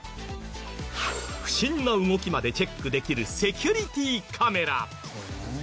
不審な動きまでチェックできるセキュリティーカメラ。